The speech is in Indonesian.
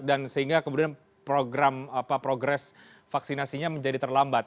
dan sehingga kemudian program apa progres vaksinasinya menjadi terlambat